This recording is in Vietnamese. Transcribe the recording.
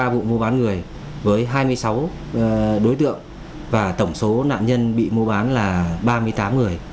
ba vụ mua bán người với hai mươi sáu đối tượng và tổng số nạn nhân bị mua bán là ba mươi tám người